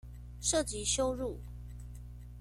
涉及羞辱